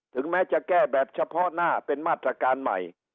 ถึงแม้จะแก้แบบเฉพาะหน้าเป็นมาตรการใหม่